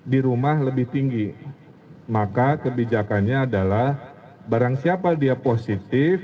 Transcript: di rumah lebih tinggi maka kebijakannya adalah barang siapa dia positif